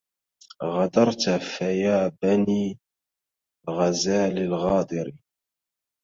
غدرت فيا باني الغزال الغادر